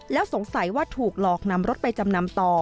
แล้วสงสัยว่าถูกหลอกนำรถไปจำนำต่อ